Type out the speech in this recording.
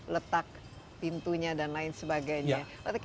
letak pintunya dan lain sebagainya